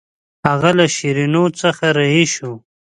هغه له شیرینو څخه رهي شو.